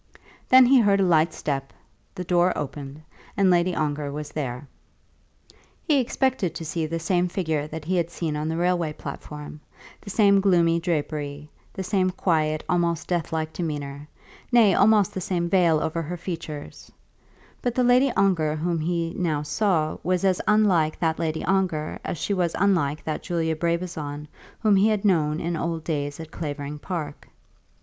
Then he heard a light step; the door opened, and Lady Ongar was there. He expected to see the same figure that he had seen on the railway platform, the same gloomy drapery, the same quiet, almost deathlike demeanour, nay, almost the same veil over her features; but the Lady Ongar whom he now saw was as unlike that Lady Ongar as she was unlike that Julia Brabazon whom he had known in old days at Clavering Park.